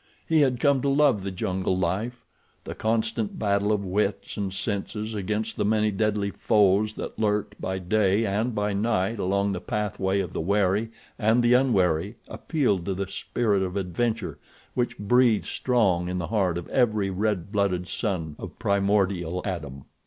He had come to love the jungle life. The constant battle of wits and senses against the many deadly foes that lurked by day and by night along the pathway of the wary and the unwary appealed to the spirit of adventure which breathes strong in the heart of every red blooded son of primordial Adam.